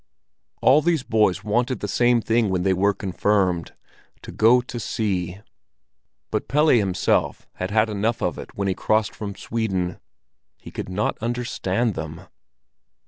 All these boys wanted the same thing when they were confirmed—to go to sea. But Pelle had had enough of it when he crossed from Sweden; he could not understand them.